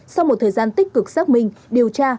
sau một thời gian tích cực xác minh điều tra